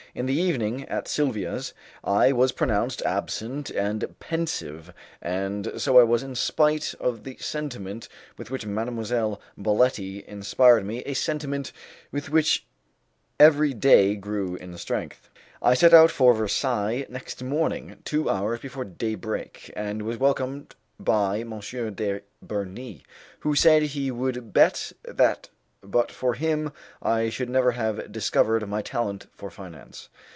In the evening, at Silvia's, I was pronounced absent and pensive, and so I was in spite of the sentiment with which Mademoiselle Baletti inspired me a sentiment which every day grew in strength. I set out for Versailles next morning two hours before day break, and was welcomed by M. de Bernis, who said he would bet that but for him I should never have discovered my talent for finance.